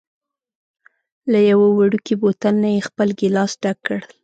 له یوه وړوکي بوتل نه یې خپل ګېلاس ډک کړ.